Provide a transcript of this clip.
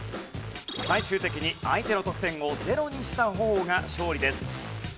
最終的に相手の得点を０にした方が勝利です。